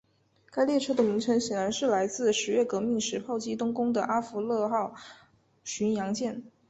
该列车的名称显然是来自十月革命时炮击冬宫的阿芙乐尔号巡洋舰。